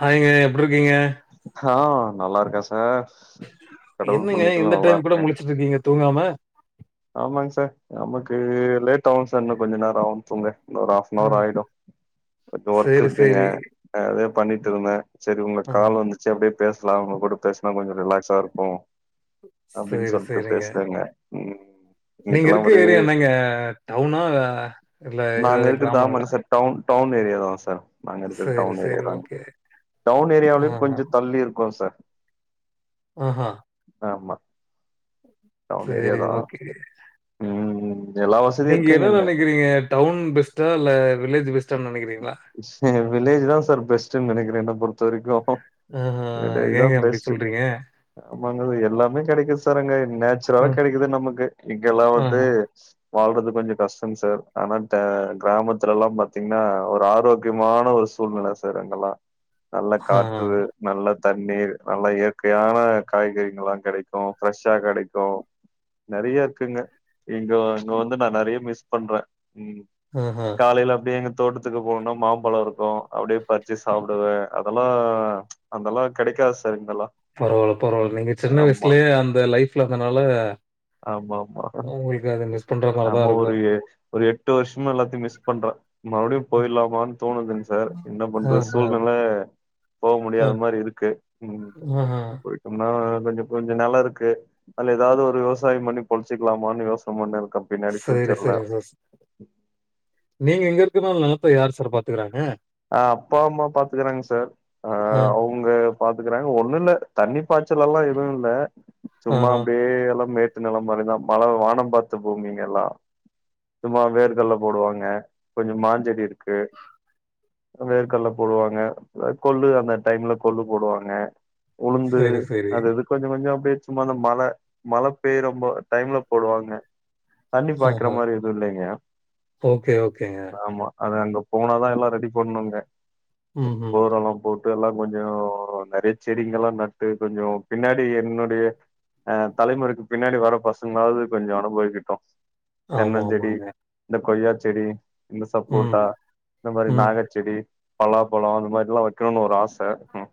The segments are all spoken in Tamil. ஹாய் கா எப்புடி இருக்கீங்க ஆஹ் நல்லா இருக்கா சார் கடவுள் என்னங்க புண்ணியத்துல இந்த நல்லா டைம் கூட முழச்சுட்டு இருக்கீங்க தூங்காம ஆமாங் சார் நமக்கு லேட் ஆகு சார் இன்னு கொஞ்ச நேர ஆகா துங்க இன்னு ஒரு ஆ. ஹாஃப்னாவர் ஆயிடு பட் ஒர்க் சரி, இருக்குங்க சரி. அதே பண்ணிட்டு இருந்தே சரி உங்க ஆ. கால் வந்துச்சு அப்புடியே பேசலா அவுங்க கூட பேசுனா கொஞ்ச ரிலாக்ஸா இருக்கு அப்புடின்னு சரி, சொல்லிட்டு சரிங்க. பேசுறேங்க ம் நீங்க இன்னைக்கெல்லா இருக்க ஒரு ஏரியா என்னங்க டவுனா இல்ல நாங்க இது இருக்கிறது கிராமங்கள ஆமாங்க சார் டவுன் டவுன் ஏரியா தா சார் நாங்க இருக்கற சரி, டவுன் ஏரியா சரி. தாங் ஓகே. டவுன் ஆ, ஏரியாவுலியு கொஞ்ச தள்ளி இருக்கோ சார் ஆ ஹா ஆமா டவுன் ஏரியா சரி தா ஓகே ம் எல்லா வசதியு நீங்க இருக்குங்க என்ன இங்க நெனைக்கிறீங்க டவுன் பெஸ்ட்டா இல்ல வில்லேஜ் பெஸ்ட்டானு நெனைக்கிறீங்களா ஹ் வில்லேஜ் தா சார் பெஸ்ட்டுனு நெனைக்கிறே என்னா பொறுத்த வரைக்கு ஆஹ் ஹா வில்லேஜ் தா ஏங்க அப்புடி பெஸ்ட்டு சொல்றீங்க ஆமாங்க எல்லாமே கிடைக்குது சார் அங்க அ, நேச்சுரலா கிடைக்குது நமக்கு இங்க எல்லா வந்து ஆஹா, வாழ்றது கொஞ்ச கஷ்டங்க சார் ஆனா கே கிராமத்துல எல்லா பாத்தீங்கன்னா ஒரு ஆள் ஆரோக்கியமான ஒரு சூழ்நிலை சார் அங்க எல்லா நல்ல ஆ, காற்று நல்ல தண்ணீர் நல்ல இயற்கையான காய்கறிகள்ல்லா கிடைக்கு ஃப்ரெஷ்ஷா கிடைக்கு நெறைய இருக்குங்க இங்க அங்க வந்து நா நெறைய மிஸ் பண்றே ம் ஹம் ஹா காலையில அப்புடியே எங்க தோட்டத்துக்கு போகணும்னா மாம்பழம் இருக்கும் அப்புடியே பறிச்சு சாப்பிடுவே அத எல்லா அத எல்லா கிடைக்காது சார் இங்கலா பரவால பரவால நீங்க சின்ன வயசுலயே அந்த லைஃப்ல இருந்தனால ஆமா ஆமா உங்களுக்கு அது மிஸ் பண்ற மாறி தா ஆமா இருக்கு ஒரு ஒரு எட்டு வருஷமா எல்லாத்தையு மிஸ் பண்றே மறுபடியு போயிலாமான்னு தோணுதுங்க சார் என்ன பண்றது ஆஹா, சூழ்நில போக ஆ, முடியாத மாறி இருக்கு ம் ஆஹா. போயிட்டோம்னா கொஞ்ச கொஞ்ச நல்லா இருக்கு அல்ல ஏதாவது ஒரு விவசாயம் பண்ணி பொழச்சிக்கலாமான்னு யோசன பண்ணி இருக்கே பின்னாடி சரி ஃபியூச்சர்ல சரி சார் நீங்க இங்க இருக்கனு நிலத்த யாரு சார் பாத்துக்கறாங்க ஆ அப்பா அம்மா பாத்துக்கறாங்க சார் ஆ, ஆஹ் அவுங்க பாத்துக்கறாங்க ஒண்ணுல தண்ணி பாய்ச்சல் எல்லா எதுவு இல்ல சும்மா ஆஹா. அப்டியே எல்லா மே ச்சு நிலை மாதிரி தா மழை வானம் பார்த்த பூமிங்க எல்லா சும்மா வேர்க்கடலை போடு வாங்க கொஞ்சே மா செடி இருக்கு வேர்கடல்ல போடு வாங்க கொள்ளு அந்த டைம்ல கொல்லு போடு வாங்க உளுந்து சரி, சரி. அது அதுக் கொஞ்சே கொஞ்சே அப்டியே சும்மா அந்த மழை மழை பெய் ராப்பா டைம்ல போடு வாங்க தண்ணி பாய்குற ஆஹா. மாரி எதுவும் இல்லைங்க ஓகே, ஓகேங்க. ஆமா அது அங்க போனாதான் எல்லாம் ரெடி பண்ணுங்க ம்ஹ்ம். போர்ரெல்லாம் போட் இதெல்லாம் கொஞ்சம் நறைய செடிங்கல்லாம் நட்டு கொஞ்சோ பின்னாடி என்னுடைய அ தலைமுறைக்கு பின்னாடி வர பசங்களாவது கொஞ்சோம் அனுபவைக்கிட்டும் ஆமா, தென்னஞ்செ ஆமாங்க. இந்த கொய்யா செடி இந்த ம், சப்போட்டா இந்த மாரி ம். நாக செடி பல்லாப்பழம் அந்த மாரிலா வைக்கணும்னு ஒரு ஆச ம்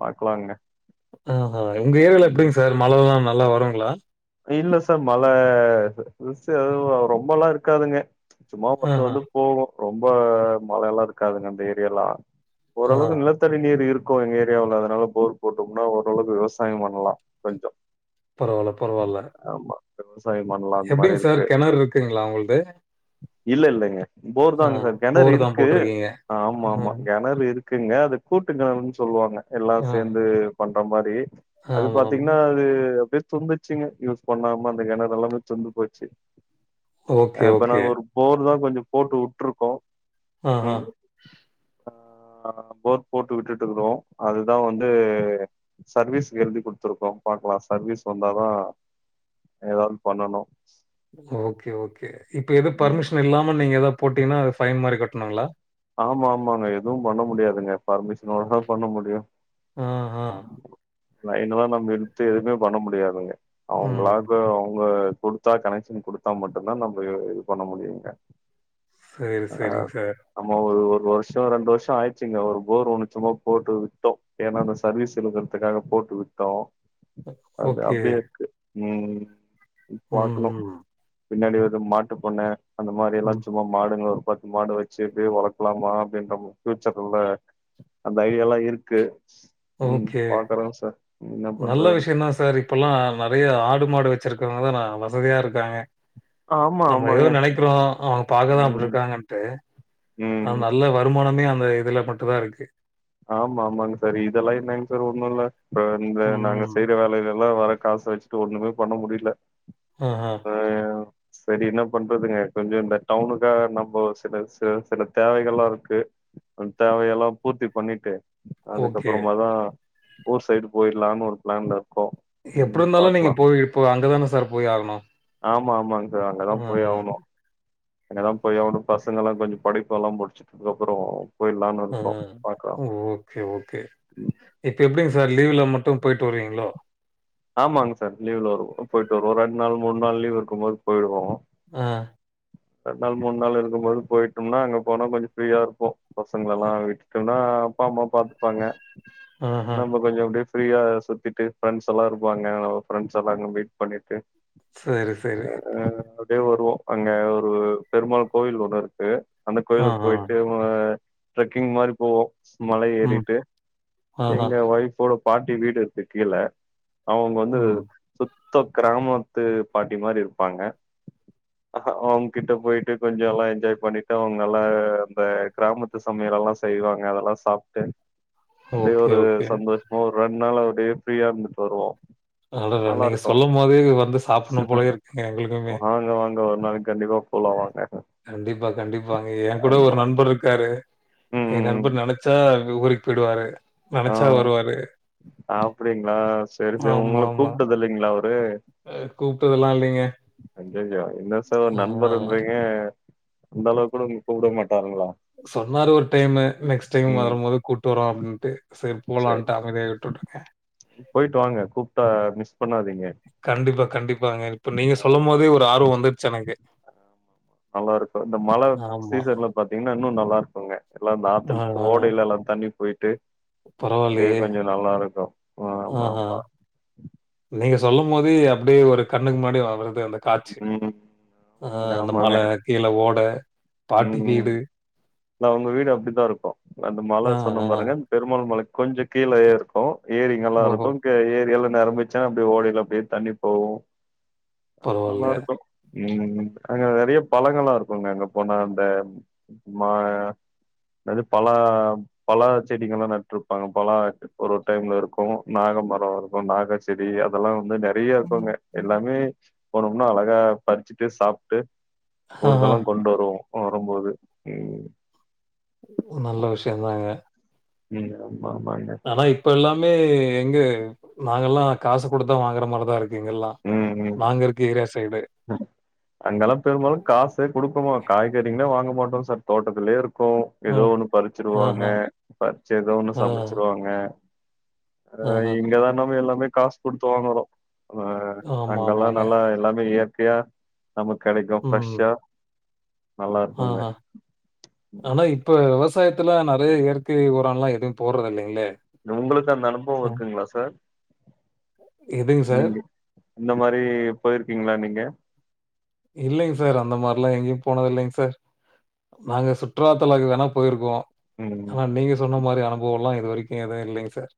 பாக்கலாங்க ஆ உங்க ஏரியால எப்டிங்க சார் மழை எல்லாம் நல்லா வரும்ங்களா இல்ல சார் மழை அதுவும் ரொம்ப எல்லாம் இருக்காதுங்க சும்மா வந்து ஆஹா. வந்து போகும் ரொம்ப மழையெல்லாம் இருக்காதுங்க அந்த ஏரியாலாம் ஆ. ஓரளவு நிலத் த்தடி நீர் இருக்கும் எங்க ஏரியாவ்ல அதனால போர் போட்டோம்னா ஓரளவு விவசாயம் பண்ணலாம் கொஞ்சம் பரவால்ல பரவால்ல விவசாய பண்ணலாம் அந்த மாரி எப்படிங்க சார் இருக்கு கிணறு இருக்குங்களா உங்களது? இல்ல இல்லைங்க போர் ஆ, தாங்க சார் கிணறு போர் தான் இருக்கு போட்டிருக்கீங்க. ஆமா ஆமா ம். கிணறு இருக் இருக்குங்க அது கூட்டு கிணறுன்னு சொல்லுவாங்க எல்லாம் ஆ, சேர்ந்து பண்ற மாரி அது ஆமாமா. பாத்தீங்கன்னா அது அப்டியே தும்பி ச்சிங்க யூஸ் பண்ணாம அந்த கிணறு எல்லாமே சொந்து போச்சு ஆ ஓகே, இப்ப ஓகே. நாங்க ஒரு போர் தான் கொஞ்சம் போட்டு விட்டுருக்கோம் ஆஹா. ஆ போர் போட்டு விட்டுட்டுக்கிறோம் அதுதான் வந்து சர்வீஸ்க்கு எழுதி குடுத்துருக்கோம் பாக்கலாம் சர்வீஸ் வந் வந்தாதான் ஏதாவது பண்ணணும் ஓகே ஓகே இப்ப எது ம். பர்மிஷன் இல்லாம நீங்க ஏதாவ போட்டீங்கானா அது ஃபைன் மாரி கட்டணும்ங்களா ஆமா ஆமாங்க எதுவும் பண்ண முடியாதுங்க பர்மிஷனோடதான் பண்ண முடியும் ஆ ஆ லைன்ல்லாம் நம்ம இழுத்து எதுவுமே பண்ண முடியாதுங்க அவுங்களா ம். ப அவங்க குடு த்தா கனெக்க்ஷன் குடுத்தா மட்டும்தான் நம்ம இது பண்ண முடியுங்க சேரி சேரிங்க சார் ஆமா ஒரு ஒரு வருஷம் ரெண்டு வருஷம் ஆயிடுச்சுங்க ஒரு போர் ஒன்னு சும்மா போட்டு விட்டோம் ஏன்னா சர்வீஸ் இழுக்கறதுக்காக போட்டு விட்டோம் அது ஓகே. அப்டியே இருக்கு ம் ம், பாக்கணும் ம், பின்னாடி ஒரு மாட்டு பண்ணை அந்த மாரி ம். எல்லாம் சும்மா மாடுங்க ஒரு பத்து மாடு வச்சு எப்டியு வளர்க்கலாமா பஃபியூச்சர்ல அந்த ஐடியால்லாம் இருக்கு ம் ஓகே பாக்குறோ சார் என்ன நல்ல பண்றதுன்னு விஷயம் தான் சார் இப்போல்லாம் நிறைய ஆடு மாடு வச்சிருக்கறவங்கதான் வசதியா இருக்காங்க ஆமா நம்ம எதோ ஆமாங்க நினைக்கிறோம் அவங்க பாக்கதான் அப்டி ம் இருக்காங்கன்ட்டு அ ம் நல்ல வருமானமே அந்த இதுல மட்டும் தான் இருக்கு ஆமா ஆமாங் சார் இதெல்லாம் ம். என்னாங்க சார் ஒண்ணுல்ல அப்பற இந்த நாங்க ம். செய்யற வேலையில எல்லாம் வர காசு வச்சுட்டு ஒண்ணுமே பண்ண முடில ஆ ஆ சரி என்ன பண்றதுங்க கொஞ்சம் இந்த டவுனுக்காக நம்ம சில ச சில தேவைகள்ல்லாம் இருக்கு கொஞ்ச தேவையெல்லாம் பூர்த்தி பண்ணிட்டு ஓகே. அதுக்கப்பறமாதான் ஊர் சைடு போயிடலான்னு ஒரு பிளான்ல இருக்கோம் எப்டி ம் இருந்தாலும் நீங்க பாக்கலாம். போய் இப்போ அங்கதானே சார் போய் ஆகணும் ஆமா ஆமாங்க சார் அ, அங்கதான் போய் ஆவணும் அங்கதான் போய் அவனும் பசங்க எல்லாம் கொஞ்சம் படிப்பு எல்லாம் முடிச்சதுக்கு அப்பறம் போய்லாம்னு அ. இருக்கோம் பாக்கலாம் ஓகே ஓகே இப்போ எப்டிங்க சார் லீவ்ல மட்டும் போய்ட்டு வருவீங்களோ ஆமாங்க சார் லீவ்ல வருவோ போயிட்டு வருவோ ரெண்டு நாள் மூணு நாள் லீவ் இருக்கும்போது போயிருவோ அ ரெண்டு நாள் மூணு நாள் இருக்கும் போது போயிட்டோம்னா அங்க போனா கொஞ்சோ ஃப்ரீயா இருக்கூ பசங்களலா வீட் ட்டனா அப்பா அம்மா பாத்தப்பாங்க ஆஹா. நம்ம கொஞ்சோ அப்டி ஃப்ரீயா சுத்திட்டு ஃப்ரெண்ட்ஸ் எல்லா இருப்பாங்க ஒ ஃப்ரெண்ட்ஸெல்லா அங்க மீட் பண்ணிட்டு சரி, சரி. அ அப்டியே வருவோ அங்க ஒரு பெருமாள் கோவில் ஒன்னு இருக்கு அந்த ஆ, கோயிலுக் ஆ. போயிட்டு வ ட்ரெக்கிங் மாரி போவோ மலை ம். ஏறிட்டு ஆஹா. எங்க ஒய்ஃபோட பாட்டி வீடு இருக்கு கீழ அவுங் வந்து ம். சுத்த கிராமத்து பாட்டி மாரி இருப்பாங்க ஒங் கிட்ட போய்ட்டு கொஞ்சோ எல்லா என்ஜாய் பண்ணிட்டு அவங்கெலா அந்த கிராமத்து சமையலெல்லா செய்வாங்க அதெல்லா சாப்ட்டேன் [inaudible] அப்டி ஒரு ஓகே. சந்தோஷ்மா ஒரு ரெண் நாள் அப்டியே ஃப்ரீயா இருந்துட்டு வருவோ அடடா! நீங்க நல்லாருக்கோ சொல்லும்போதே வந்து சாப்பிடணும் போலயே இருக்குங்க எங்களுக்குமே. ஒருநாள் இங்க வாங்க ஒரு நாளைக்கு கண்டிப்பா போலா வாங்க கண்டிப்பா கண்டிப்பாங்க ஏங்கூட ஒரு ஆமா. நண்பருக்காரு ம், எங்க ம், நண்பர் ம். நெனச்சா இங்க கூடிட் போய்டுவாரு ஆ ஆப்டிங்களா செரி செ ஆமா, உங்கள ஆமா. கூப்ட்டதில்லைங்களா அவரு அ கூப்ட்டதெல்லா இல்லைங்க அய்யய்யோ இன்ன சோ ஆ நண்பருன்றீங்க அந்த அளவு கூட உங்கள கூப்டே மாட்டாருங்களா சொன்னாரு ஒரு டைமு நெக்ஸ் டைம் ம். வரும் போது கூட்டு வரோ அப்டின்ட்டு செர் சரி. போலான்ட்டு அவே கை விட்டு வுட்டுட்ட போயிட்டு வாங்க கூப்ட்டா மிஸ் பண்ணாதீங்க கண்டிப்பா கண்டிப்பாங்க இப்ப நீங்க சொல்லும் ஆமா. போதே ஒரு ஆர்வோ வந்துர்ச்சு எனக்கு நல்லாருக்கு இந்த மழ ஆமா. சீசன்ல பாத்தீங்கன்னா இன்னு நல்லாருக்குங்க எல்லா ஆ, தாத்தல் இந்த ஆ. ஓடையில எல்லா தண்ணி போயிட்டு பரவாயில்லையே! அப்டியே நல்லாருக்கூ ஆஹா. ஆமாமா நீங்க சொல்லும் போத அப்டியே ஒரு கண்ணுக்கு முன்னாடி ஆ வருது அந்த காட்சு ம் ஆமாங்க அந்த ஆமாங்க மல கீழ ஓட பாட்டி ம் வீடு இல்ல அவுங்க வீடு அப்டித்தா இருக்கூ அந்த மல ஆ, ஆ. சொன்னம் பாருங்க அந் பெருமாள் மல கொஞ்சோ கீழயே இருக்கோ ஏரிங்கல்லா ஓஹோ! இருக்கூ தெ ஏரியெல்லா நெரம்பச்சா அப்டி ஓடைல அப்டியே தண்ணி போவு பரவாயில்லையே. நல்லாருக்கூ ம் அங்க நெறைய பழங்களா இருக்குங்க அங்க போனா அந்த மா நது பலா பலா செடிகள்லா நட்ருப்பாங்க பலா ஒரு டைம்ல இருக்கோ நாக மரோ இருக்கூ நாக செடி அதெல்லா வந்து ந றயா ம். இருக்குங்க எல்லாமே போனோம்னா அழகா பறிச்சுட்டு சாப்ட்டு ஆஹா. ஊருக்கெல்லா கொண்டு வருவோ வரம்போது ம் ஒர் நல்ல விஷ்யந்தாங்க நீங்க அம்மாமாங்க ஆனா இப்ப எல்லாமே எங்கே நாங்கல்லா காசு குடுத்தா வாங்கற மாரிதா இருக்கு இங்கெல்லா ம் ம் நாங்க இருக்க ஏரா சைடு அங்கெல்லா பெரும்பாலு காசெ கொடுக்குமா காய்கறிங்ளே வாங்க மாட்டோ சார் தோட்டத்துலே இருக்கூ ஏதோ ம். ஒண்ணு ஆஹா. பறிச்சிருவாங்க பறிச்சு ஏதோ ஒண்ணு ஆ. சமச்சிருவாங்க ஆ ஆஹா. இங்கதா நம எல்லாமே காசு குடுத்து வாங்குறோ ஆ ஆமா, அங்கல்லா ஆமாங்க. நல்லா எல்லாமே இயற்கையா நமக்கு கெடைக்கு ஃப்ரெஷ்ஷா நல்லா ஆ இருக்குங்க ஆ ம். ஆனா இப்ப விவசாயத்துல நறைய இயற்கை ஓரலா எதுவு போட்றது இல்லைங்களே இ உங்களுக்கு அந்த அனுபவ அ இருக்குங்களா சார் எதுங்க சார்? ம் இந்த மாரி போயிருக்கீங்ளா நீங்க இல்லைங்க சார் அந்த மார்ல்லா எங்கேயு போனதில்லைங் சார் நாங்க சுற்றுலாத்தலக்கு வேணா போயிருக்கோ ஆனா ம் நீங்க சொன்ன மாரி அனுபவ லா இது வரைக்கு எதுவு இல்லைங் சார்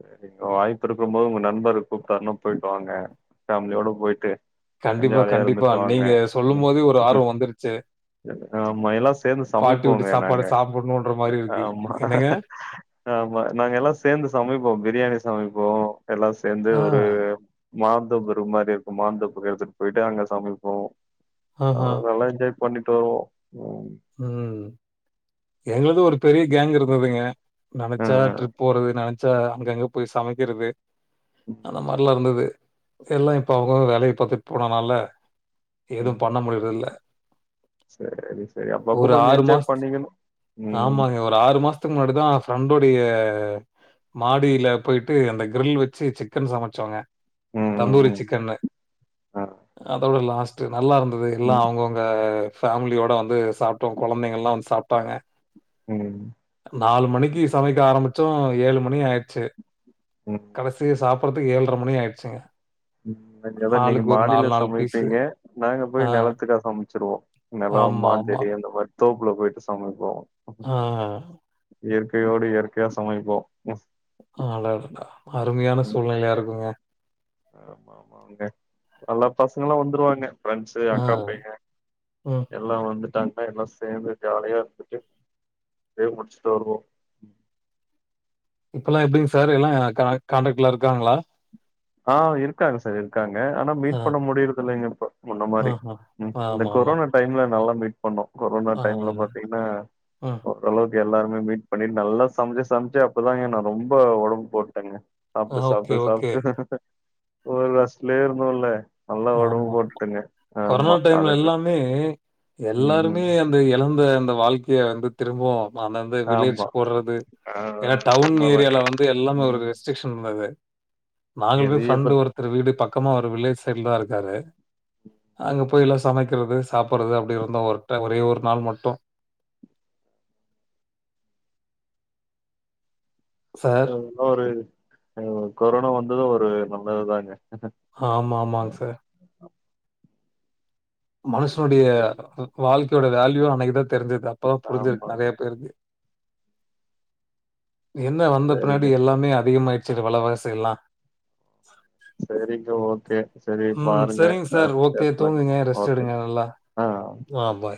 சரிங்க வாய்ப்பு இருக்கும் போது உங்க நண்பர் கூப்பிட்டாருனா போயிட்டு வாாங்க ஃபேமிலியோட போயிட்டு கண்டிப்பா ஜாலியா கண்டிப்பா இருந்துட்டு வாங்க நீங்க சொல்லு ம் போதே ஒரு ஆர்வோ வந்துருச்சு ஆமா எல்லா சேந்து பாட்டி வீட்டு சமைப்போங்க சாப்பாடு நாங்க சாப்பிடணுன்ற மாரி இருக்கு. ஆமா என்னங்க? ஆ ஆமா நாங்க எல்லா சேந்து சமைப்போ பிரியாணி சமைப்போ எல்லா சேந்து ஆ, ஒரு மாந்தோப்பு மாரி இருக்கு மாந்தோப்க்கு எடுத்துட்டு போயிட்டு அங்க சமைப்போ ஆஹா, நல்லா என்ஜாய் பண்ணிட்டோ உம் ம் எங்களுக்கு ஒரு பெரிய கேங் இருந்ததுங்க நெனைச்சா ஆ ட்ரிப் போறது நெனைச்சா அங்க அங்க போய் சமைக்றது அந்த மாரிலா இருந்தது எல்லா இப்ப அவங்க அவங்க வேலைய பாத்துட்டு போனனால எது பண்ண முடியறது இல்ல செரி செரி அப்பப்போ ஒரு கொஞ்சு என்ஜாய் மாசத் பண்ணீங்கன்னு உம் ஆமாங்க. ஒரு ஆறு மாசத்துக்கு முன்னாடிதா ஃப்ரெண்டோடைய மாடியில போயிட்டு அந்த க்ரில் வச்சு சிக்கன் சமச்சோங்க ம் ம் தந்தூரி ம் சிக்கன்னு ஆ அதோட லாஸ்ட்டு நல்லா இருந்தது எல்லா ம் அவங்க அங்க ஃபேமிலியோட வந்து சாப்ட்டோ கொழந்தைங்க எல்லா வந்து சாப்ட்டாங்க உம் நாலு மணிக்கு சமைக்க ஆரம்பிச்சோ ஏழு மணி ஆயிச்சு ம் கடைசி சாப் படுரதுக்கு ஏழரை மணி ஆய்ச்சிங்க உ அதேதா நீங்க மாடியில பீஸு. சமைப்பீங்க நாங்க ஆ. போய் நெலத்துல சமைச்சிருவோ நெலொ ஆமா, ஆமா. மாஞ்செடி அந்த மாரி தோப்புல போயிட்டு சமைப்போ ஆ இயற்கையோடு இயற்கையா சமைப்போ ஆடடா அருமையான சூழ்நிலையா இருக்குங்க ஆமா ஆமாங்க எல்லா பசங்களு வந்துருவாங்க பிரெண்ட்ஸு ஆ. அக்கா பைய ம். எல்லா வந்துட்டாங்ன்னா எல்லா சேந்து ஜாலியா இருந்துட்டு லீவ் முடிச்ட்டு வருவோ இப்பெல்லா எப்டிங்க சார் எல்லா காண் காண்டேக்ட்ல இருக்காங்ளா ஆ இரு இருக்காங்க சார் இருக்காங்க ஆனா மீட் ஆ. பண்ண முடியறத இல்லைங்க இப்ப முன்ன மாரி ஆஹ. இந்த ஆமாமா. கொரோனா டைம்ல நல்லா மீட் பண்ணோ கொரோனா ஆ. டைம்ல பாத்தீங்கன்னா ம். ஓரலவுக் எல்லாருமே மீட் பண்ணிட்டு நல்லா சமைச்சு சமைச்சு அப்பதாங்க நா ரொம்ப ஒடம்பு போட்டேங்க சாப்ட்டு ஓகே, சாப்ட்டு ஓகே. சாப்ட்டு ஒரு ரெஸ்லேயே இருந்தோல்ல ஆமா கொரோனா டைம்ல அதுக்கு எல்லாமே எல்லாருமே ம். வந்து எழந்த அந்த வாழ்க்கைய வந்து திரும்பவு அந்த வந்து வில்லேஜ் ஆமா. போடுறது ஆ ஏன்னா டவுன் ஏரியால உண்மதாங்க. வந்து எல்லாமே ஒரு ம். ரெஸ்டிரிக்சன் இருந்தது நாங்களுமே எதைய ஃபிரண்ட்டு பத்தி ஒருத்தர் வீடு பக்கமா ஒரு வில்லேஜ் சைட்ல தா இருக்காரு அங்க போய் எல்லா சமைக்கிறது சாப்புறது அப்டி இருந்தோ ஒருட் ஒரே ஒரு நாள் மட்டு சார் இன்னொரு ஒரு கொரோனா வந்தது ஒரு நல்லதுதாங்க ஆமா ஆமாங் சார் மனுஷனுடைய வாழ்க்கையோட வேல்யு அன்னைக்குதா தெரிஞ்சது அப்பதா ஆமா. புரிஞ்சிருக்கு நெறைய பேருக்கு என்ன வந்த சரிங்க. பின்னாடி எல்லாமே அதிகமாயிடுச்சு வெல வாசி எல்லா சரிங்க ஓகே சரி ம். பாருங்க சரிங்க ஆ சார். ஓகே. பேசலாங்க தூங்குங்க. ரெஸ்ட் எடுங்க [unintelligible] நல்லா. ஆ ஆ பை.